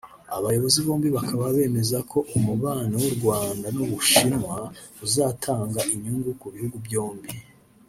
Abayobozi bombi bakaba bemeza ko umubano w’u Rwanda n’u Bushinwa uzatanga inyungu ku bihugu byombi